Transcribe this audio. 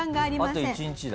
あと１日だ。